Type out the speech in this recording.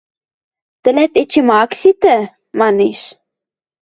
– Тӹлӓт эче ма ак ситӹ?! – манеш.